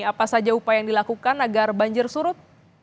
apa saja upaya yang dilakukan agar banjir surut